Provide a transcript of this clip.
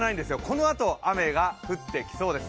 このあと雨が降ってきそうです。